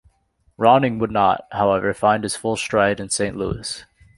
Ronning would not, however, find his full stride in Saint Louis.